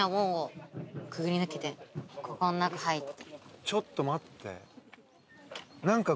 ここの中入って。